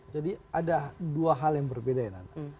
jadi ada dua hal yang berbeda ya nanda